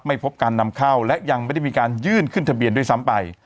พบการนำเข้าและยังไม่ได้มีการยื่นขึ้นทะเบียนด้วยซ้ำไป